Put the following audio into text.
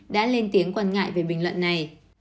đã lên tiếng quan ngại về bình luận này